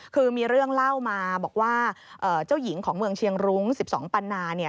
คือมีเรื่องเล่ามาบอกว่าเจ้าหญิงของเมืองเชียงรุ้ง๑๒ปันนา